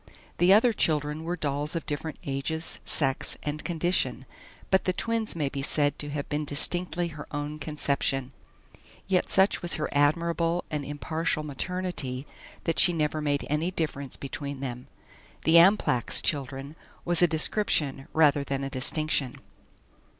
The other children were dolls of different ages, sex, and condition, but the twins may be said to have been distinctly her own conception. Yet such was her admirable and impartial maternity that she never made any difference between them. "The Amplach's children" was a description rather than a distinction.